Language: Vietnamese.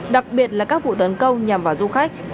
đặc biệt là các vụ tấn công nhằm vào du khách